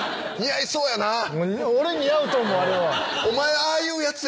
俺似合うと思うあれは。